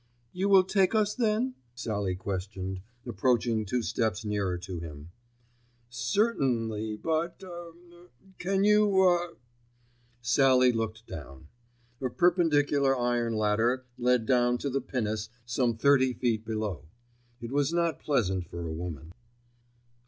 "You will take us then?" Sallie questioned, approaching two steps nearer to him. "Certainly: but er—er—can you—er?" Sallie looked down. A perpendicular iron ladder led down to the pinnace some thirty feet below. It was not pleasant for a woman.